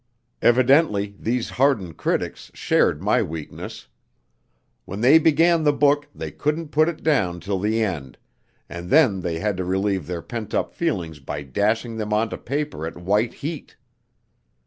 Evidently these hardened critics shared my weakness. When they began the book they couldn't put it down till the end, and then they had to relieve their pent up feelings by dashing them onto paper at white heat.